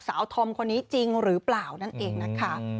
ทอมคนนี้จริงหรือเปล่านั่นเองนะคะ